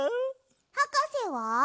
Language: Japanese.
はかせは？